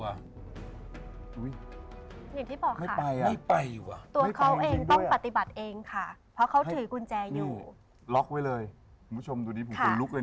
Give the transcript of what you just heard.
อย่างที่บอกค่ะตัวเขาเองต้องปฏิบัติเองค่ะเพราะเขาถือกุญแจอยู่